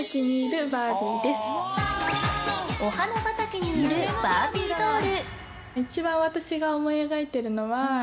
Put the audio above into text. お花畑にいるバービードール。